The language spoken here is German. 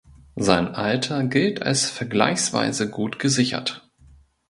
Sein Alter gilt als vergleichsweise gut gesichert.